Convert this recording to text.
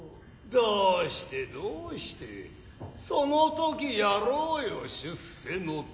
どうしてどうしてその時やろうよ出世の種を。